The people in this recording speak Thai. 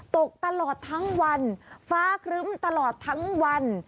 ตกตลอดทั้งวันฟ้าครึ้มตลอดทั้งวัน